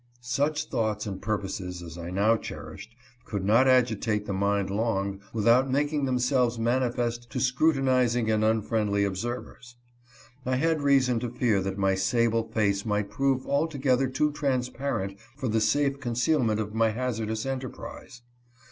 Such thoughts and purposes as I now cherished could not agitate the mind long without making themselves mani fest to scrutinizing and unfriendly observers. I had rea son to fear that my sable face might prove altogether too transparent for the safe concealment of my hazardous enterprise.